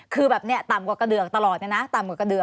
คือต่ำกว่ากระเดือกตลอด